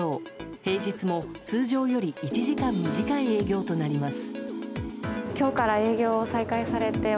平日も通常より１時間短い営業となります。